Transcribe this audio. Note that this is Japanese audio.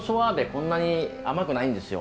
こんなに甘くないんですよ。